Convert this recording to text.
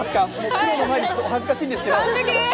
プロを前にしてお恥ずかしいんですけど。